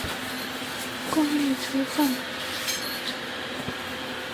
关内车站的铁路车站。